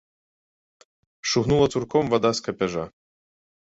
Шугнула цурком вада з капяжа.